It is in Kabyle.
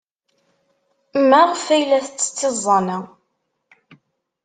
Maɣef ay la tettett iẓẓan-a?